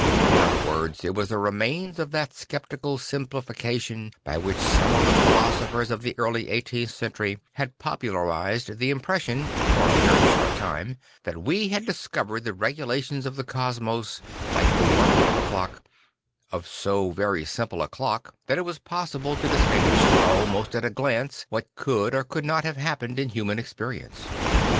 In other words it was the remains of that sceptical simpli fication by which some of the philosophers of the early eighteenth century had popularised the impression (for a very short time) that we had discovered the regulations of the cosmos like the works of a clock, of so very simple a clock that Miracles and Death 155 it was possible to distinguish almost at a glance what could or could not have happened in human experience.